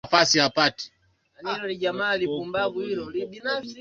Maambukizi kwenye kuta na milango ya moyo